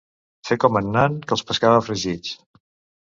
Fer com en Nan, que els pescava fregits.